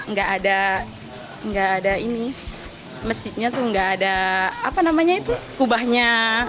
menariknya ini apa enggak ada ini masjidnya tuh enggak ada apa namanya itu kubahnya